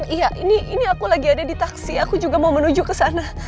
iya ini aku lagi ada di taksi aku juga mau menuju ke sana